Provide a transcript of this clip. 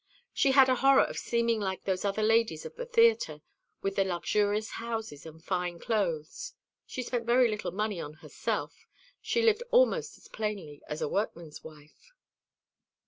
She had a horror of seeming like those other ladies of the theatre, with their luxurious houses and fine clothes. She spent very little money on herself; she lived almost as plainly as a workman's wife."